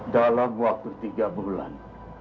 dalam waktu tiga bulan